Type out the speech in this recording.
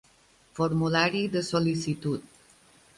Formulari de sol·licitud.